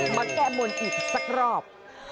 มาแก้บนอีกสักรอบ